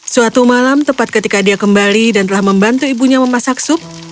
suatu malam tepat ketika dia kembali dan telah membantu ibunya memasak sup